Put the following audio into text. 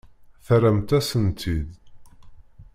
Terramt-asent-t-id.